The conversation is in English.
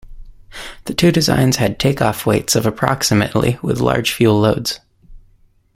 The two designs had takeoff weights of approximately with large fuel loads.